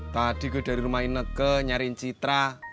tadi gue dari rumah ineke nyariin citra